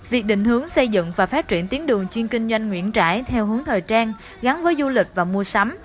việc định hướng xây dựng và phát triển tuyến đường chuyên kinh doanh nguyễn trãi theo hướng thời trang gắn với du lịch và mua sắm